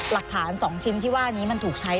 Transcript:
หลักฐาน๒ชิ้นที่ว่านี้มันถูกใช้